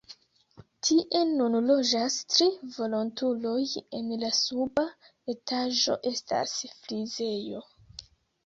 Tie nun loĝas tri volontuloj, en la suba etaĝo estas frizejo.